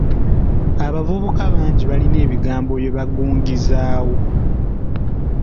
Abavubuka bangi balina ebigambo bye bagungizzaawo.